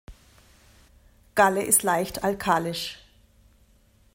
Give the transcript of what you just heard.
Galle ist leicht alkalisch.